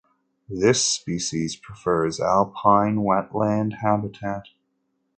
This species prefers alpine wetland habitat.